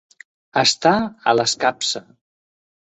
Estar a l'escapça.